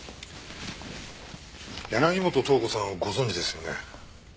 柳本塔子さんをご存じですよね？